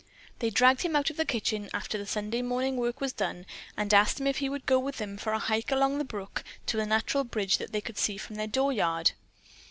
They dragged him out into the kitchen after the Sunday morning work was done and asked him if he would go with them for a hike up along the brook to a natural bridge that they could see from their door yard.